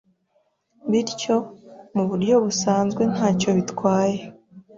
Bityo, mu buryo busanzwe ntacyo bitwaye